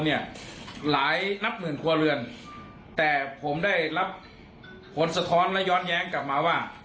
หลายนับหมื่นครัวเรือนแต่ผมได้รับผลสะท้อนและย้อนแย้งกลับมาว่า